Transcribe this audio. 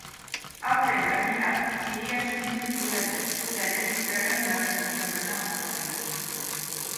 Aurten gainera, hiria suntsitu zuen sutearen berrehungarren urteurrena ospatzen da.